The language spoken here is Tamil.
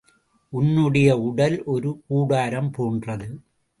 உன்னுடைய உடல் ஒரு கூடாரம் போன்றது.